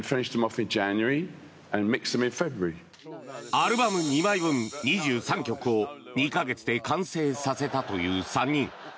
アルバム２枚分２３曲を２か月で完成させたという３人。